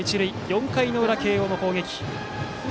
４回裏、慶応の攻撃。